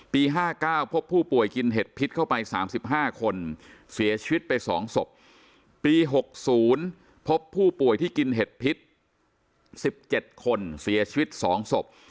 ปีห้าเก้าพบผู้ป่วยกินเห็ดพิษเข้าไปสามสิบห้าคนเสียชีวิตไปสองศพปีหกศูนย์พบผู้ป่วยที่กินเห็ดพิษสิบเจ็ดคนเสียชีวิตสองศพ